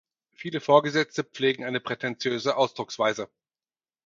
Viele Vorgesetzte pflegen eine prätentiöse Ausdrucksweise.